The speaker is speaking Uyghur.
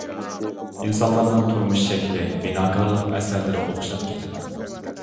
ئىنسانلارنىڭ تۇرمۇش شەكلى، بىناكارلىق ئەسەرلىرى ئوخشاپ كېتىدۇ.